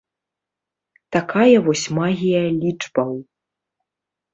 Такая вось магія лічбаў.